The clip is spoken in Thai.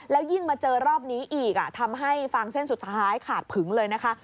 แล้วยิ่งมาเจอรอบนี้อีกทำให้ฟางเส้นสุดท้ายขาดผึงเลยนะคะ